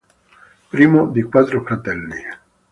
Primo di quattro fratelli.